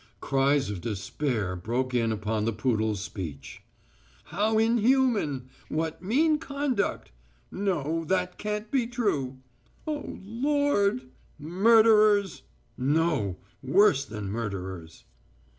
Cries of despair broke in upon the poodle's speech. "How inhuman!" "What mean conduct!" "No, that can't be true!" "O Lord!" "Murderers!" "No, worse than murderers!"